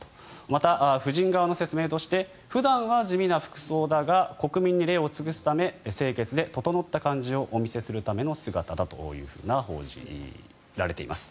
また、夫人側の説明として普段は地味な服装だが国民に礼を尽くすため清潔で整った感じをお見せするための姿だと報じられています。